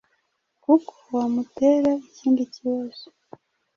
kuko wamutera ikindi kibazo